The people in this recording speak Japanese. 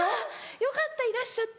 よかったいらっしゃって。